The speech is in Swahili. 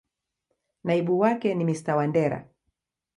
Naibu wake ni Mr.Wandera.